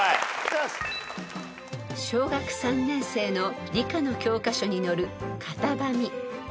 ［小学３年生の理科の教科書に載る］